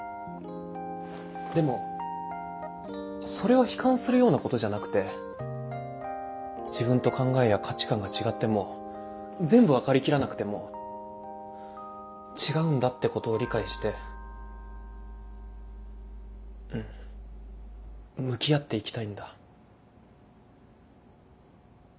でもそれは悲観するようなことじゃなくて自分と考えや価値観が違っても全部分かり切らなくても違うんだってことを理解してうん向き合っていきたいんだ。